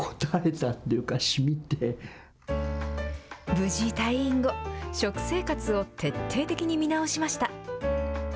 無事退院後、食生活を徹底的に見直しました。